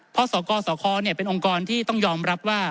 เพราะสกสคเป็นองค์กรที่ต้องยอมรับว่า